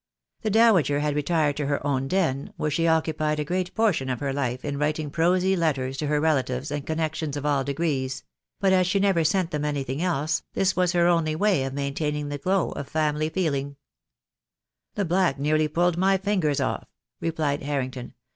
The Dowager had retired to her own den, where she occupied a great portion of her life in writing prosy letters to her relatives and connections of all degrees; but as she never sent them anything else, this was her only way of maintaining the glow of family feeling. THE DAY WILL COME. $27 "The black nearly pulled my fingers off," replied Harrington.